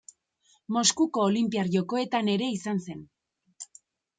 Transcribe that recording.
Moskuko Olinpiar Jokoetan ere izan zen.